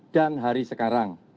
dan hari sekarang